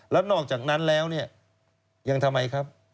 และนอกจากนั้นแล้วยังทำไม